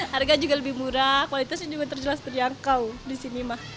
harga juga lebih murah kualitasnya juga terjelas terjangkau di sini